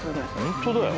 ホントだよ。